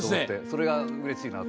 それが、うれしいなと。